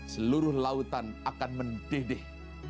seluruh lautan akan mendidih